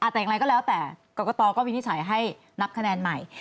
แต่อย่างไรก็แล้วแต่กรกตก็วินิจฉัยให้นับคะแนนใหม่